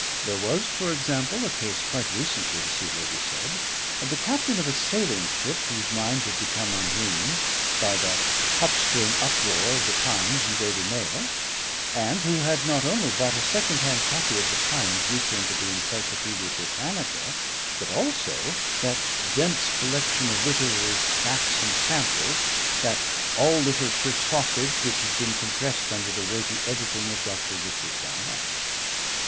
There was, for example, a case quite recently, the Sea Lady said, of the captain of a sailing ship whose mind had become unhinged by the huckstering uproar of the Times and Daily Mail, and who had not only bought a second hand copy of the Times reprint of the Encyclopædia Britannica, but also that dense collection of literary snacks and samples, that All Literature Sausage which has been compressed under the weighty editing of Doctor Richard Garnett.